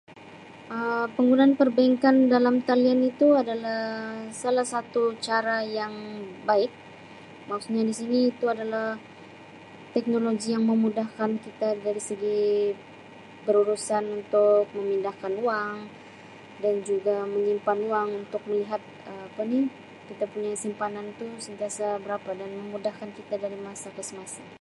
Um Penggunaan perbankan dalam talian itu adalah salah satu cara yang yang baik maksudnya di sini itu adalah teknologi yang memudahkan kita dari segi berurusan untuk memindahkan wang dan juga menyimpan wang untuk melihat Um apa ni kita punya simpanan tu sentiasa berapa dan memudahkan kita dari masa ke semasa.